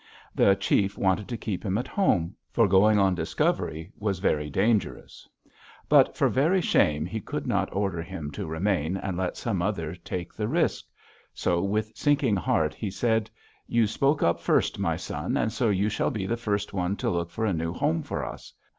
The chief wanted to keep him at home, for going on discovery was very dangerous. But for very shame he could not order him to remain and let some other take the risk. So, with sinking heart, he said: 'You spoke up first, my son, so you shall be the first one to look for a new home for us.